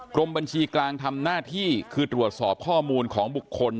กรมบัญชีกลางทำหน้าที่คือตรวจสอบข้อมูลของบุคคล